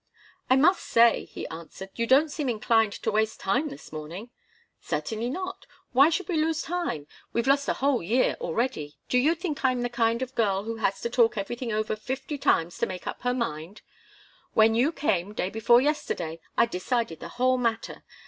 "I must say," he answered, "you don't seem inclined to waste time this morning " "Certainly not! Why should we lose time? We've lost a whole year already. Do you think I'm the kind of girl who has to talk everything over fifty times to make up her mind? When you came, day before yesterday, I'd decided the whole matter.